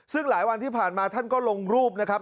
ซึ่งหลายวันที่ผ่านมาท่านก็ลงรูปนะครับ